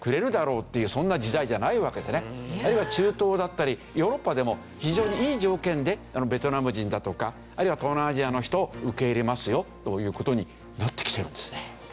あるいは中東だったりヨーロッパでも非常にいい条件でベトナム人だとかあるいは東南アジアの人を受け入れますよという事になってきてるんですね。